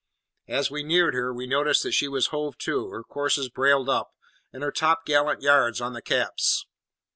As we neared her, we noticed that she was hove to, her courses brailed up, and her topgallant yards on the caps.